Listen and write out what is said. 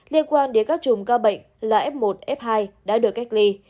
liên quan đến các chúng các bệnh là f một f hai đã được cách ly